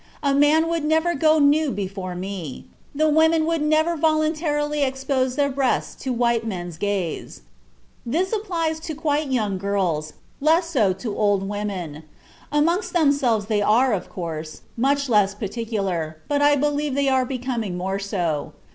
A man would never go nude before me. The women would never voluntarily expose their breasts to white men's gaze; this applies to quite young girls, less so to old women. Amongst themselves they are, of course, much less particular, but I believe they are becoming more so....